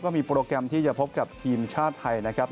มีโปรแกรมที่จะพบกับทีมชาติไทยนะครับ